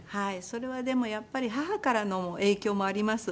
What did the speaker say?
それはでもやっぱり母からの影響もあります。